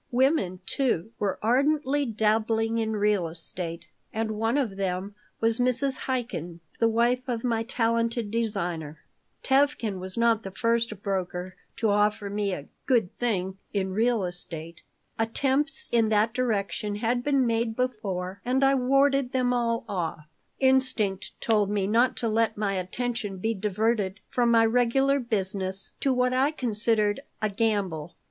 Women, too, were ardently dabbling in real estate, and one of them was Mrs. Chaikin, the wife of my talented designer Tevkin was not the first broker to offer me a "good thing" in real estate. Attempts in that direction had been made before and I had warded them all off Instinct told me not to let my attention be diverted from my regular business to what I considered a gamble.